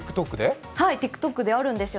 ＴｉｋＴｏｋであるんですよ。